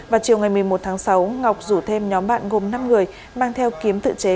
vào chiều ngày một mươi một tháng sáu ngọc rủ thêm nhóm bạn gồm năm người mang theo kiếm tự chế